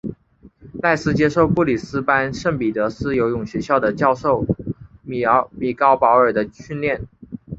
赖斯接受布里斯班圣彼得斯游泳学校的教练米高保尔的训练。